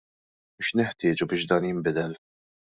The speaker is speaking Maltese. U x'neħtieġu biex dan jinbidel?